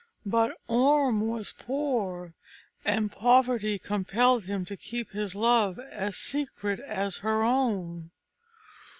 But Orm was poor, and poverty compelled him to keep his love as secret as her own.